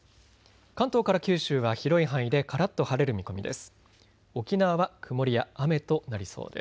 関東から九州は広い範囲でからっと晴れる見込みです。